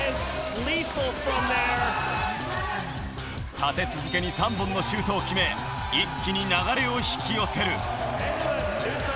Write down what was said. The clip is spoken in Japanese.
立て続けに３本のシュートを決め、一気に流れを引き寄せる。